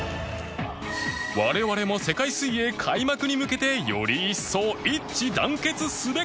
我々も世界水泳開幕に向けてより一層一致団結すべく